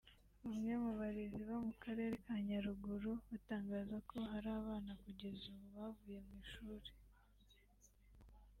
Bamwe mu barezi bo mu Karere ka Nyaruguru batangaza ko hari abana kugeza ubu bavuye mu ishuri